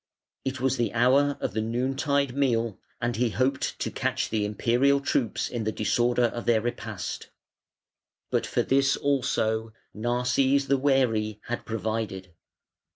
It was the hour of the noon tide meal, and he hoped to catch the Imperial troops in the disorder of their repast; but for this also Narses, the wary, had provided.